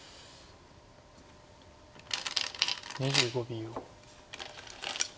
２５秒。